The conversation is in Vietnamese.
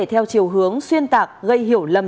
theo chiều hướng xuyên tạc gây hiểu lầm